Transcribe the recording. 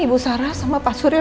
ibu sarah sama pak surya